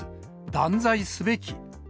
断罪すべき。